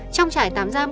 không tục tập quán